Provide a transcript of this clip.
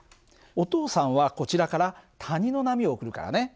お父さんはこちらから谷の波を送るからね。